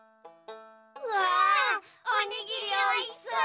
うわおにぎりおいしそう！